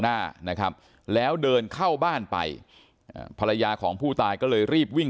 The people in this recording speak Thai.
หน้านะครับแล้วเดินเข้าบ้านไปภรรยาของผู้ตายก็เลยรีบวิ่ง